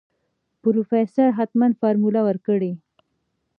پروفيسر حتمن فارموله ورکړې.